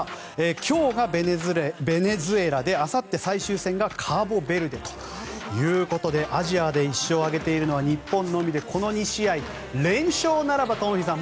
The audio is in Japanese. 今日がベネズエラであさって最終戦がカボベルデということでアジアで１勝を挙げているのは日本のみでこの２試合、連勝ならば東輝さん